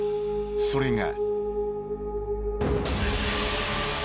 ［それが］